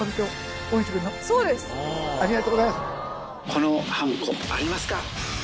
このはんこありますか？